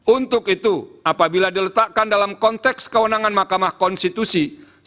untuk itu apabila diletakkan dalam konteks kewenangan mahkamah konstitusi